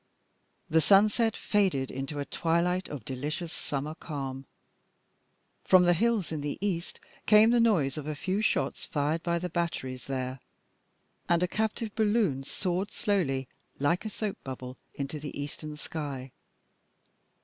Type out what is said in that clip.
The sunset faded into a twilight of delicious summer calm. From the hills in the east came the noise of a few shots fired by the batteries there, and a captive balloon soared slowly, like a soap bubble, into the eastern sky.